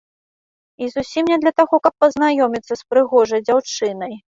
І зусім не для таго, каб пазнаёміцца з прыгожай дзяўчынай.